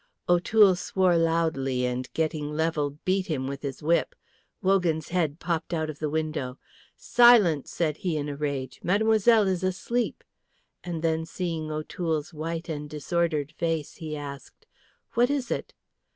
O'Toole swore loudly, and getting level beat him with his whip. Wogan's head popped out of the window. "Silence!" said he in a rage. "Mademoiselle is asleep;" and then seeing O'Toole's white and disordered face he asked, "What is it?"